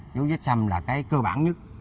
dấu vết xăm là cái cơ bản nhất